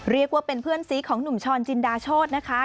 เรียกว่าเป็นเพื่อนซีของหนุ่มช้อนจินดาโชธนะคะ